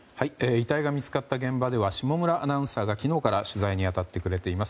遺体が見つかった現場では下村アナウンサーが昨日から取材に当たってくれています。